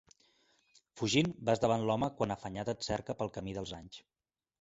Fugint vas davant l'home quan afanyat et cerca pel camí dels anys.